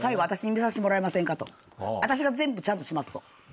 私が全部ちゃんとしますと。